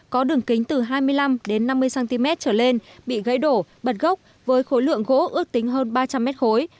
có đường kính từ hai mươi năm năm mươi cm trở lên bị gãy đổ bật gốc với khối lượng gỗ ước tính hơn ba trăm linh mét khối